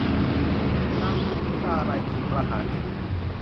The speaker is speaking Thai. นางพิมพิลาไลยถูกประหารชีวิต